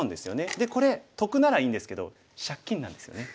でこれ得ならいいんですけど借金なんですよね。